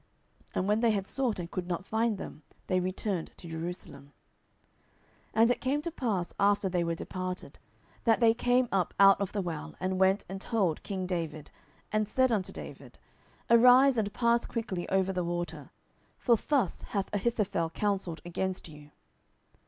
And when they had sought and could not find them, they returned to Jerusalem. 10:017:021 And it came to pass, after they were departed, that they came up out of the well, and went and told king David, and said unto David, Arise, and pass quickly over the water: for thus hath Ahithophel counselled against you.